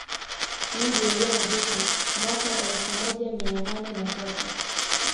Mji ulioanzishwa mwaka elfu moja mia nane na tatu